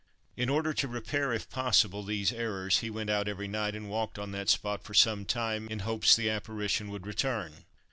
In order to repair, if possible, these errors, he went out every night, and walked on that spot for some time, in hopes the apparition would return.